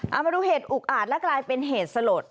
เอามาดูเหตุอุกอาจและกลายเป็นเหตุสลด